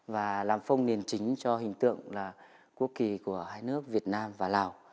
và làm phông niền chính cho hình tượng là quốc kỳ của hai nước việt nam và lào